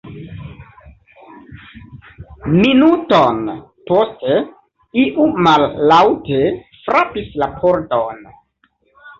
Minuton poste iu mallaŭte frapis la pordon.